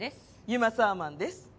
ユマ・サーマンです。